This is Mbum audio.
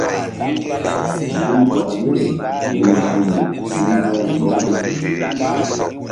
Gunbɔk yeri ke nzukri gi mbu̧h ɗoŋ ni.